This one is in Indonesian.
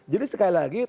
jadi sekali lagi